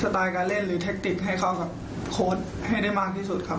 ไตล์การเล่นหรือแทคติกให้เข้ากับโค้ดให้ได้มากที่สุดครับ